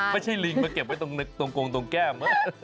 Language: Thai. ไม่ใช่ลิงมาเก็บไว้ตรงกวงตรงแก้ม